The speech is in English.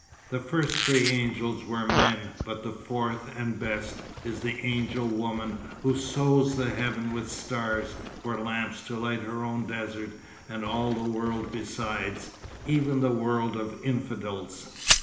The first three angels were men, but the fourth and best is the angel woman who sows the heaven with stars, for lamps to light her own desert, and all the world beside, even the world of infidels."